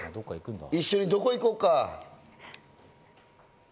一緒にどこへ行こうか？